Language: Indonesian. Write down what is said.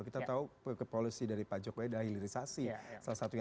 kita tahu kepolisi dari pak jokowi dahilirisasi salah satunya